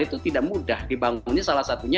itu tidak mudah dibangunnya salah satunya